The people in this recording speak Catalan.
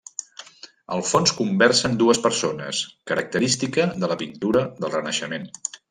Al fons conversen dues persones, característica de la pintura del Renaixement.